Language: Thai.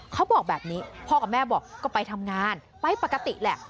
เขาบอกแบบนี้พ่อกับแม่บอกก็ไปทำงานไปปกติแหละ